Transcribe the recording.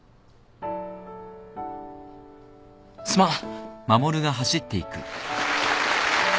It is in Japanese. すまん。